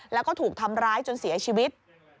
แล้วก็ถูกทำร้ายจนเสียชีวิต